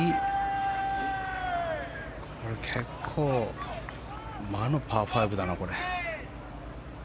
これ、結構魔のパー５だな。